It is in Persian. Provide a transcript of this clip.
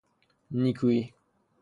نیکوئی